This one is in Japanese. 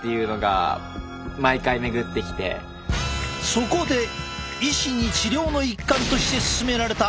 そこで医師に治療の一環として勧められた